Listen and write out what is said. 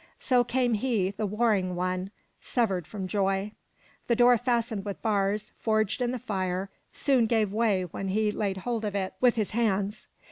So came he, the warring one, severed from joy. The door fastened with bars, forged in the fire, soon gave way when he laid hold of it with his hands.